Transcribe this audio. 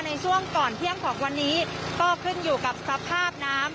ในช่วงก่อนเที่ยงของวันนี้ก็ขึ้นอยู่กับสภาพน้ำ